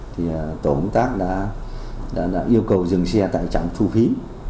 tổ hợp tác đã yêu cầu dừng xe tại trạm thu phí